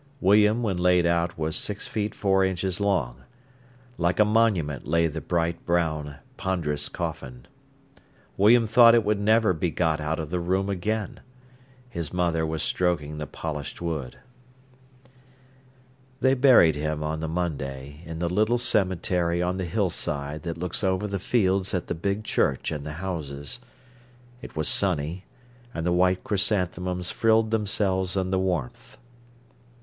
William, when laid out, was six feet four inches long. Like a monument lay the bright brown, ponderous coffin. Paul thought it would never be got out of the room again. His mother was stroking the polished wood. They buried him on the Monday in the little cemetery on the hillside that looks over the fields at the big church and the houses. It was sunny, and the white chrysanthemums frilled themselves in the warmth. Mrs.